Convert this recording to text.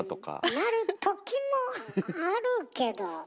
なるときもあるけど。